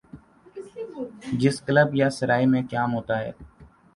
جس کلب یا سرائے میں قیام ہوتا ہے۔